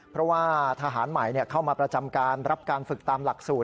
เพราะว่าทหารใหม่เข้ามาประจำการรับการฝึกตามหลักศูน